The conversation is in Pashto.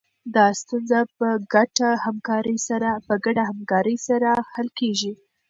دا ستونزه په ګډه همکارۍ سره حل کېږي.